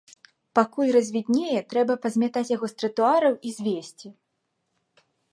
Пакуль развіднее, трэба пазмятаць яго з тратуараў і звезці.